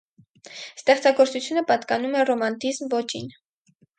Ստեղծագործությունը պատկանում է ռոմանտիզմ ոճին։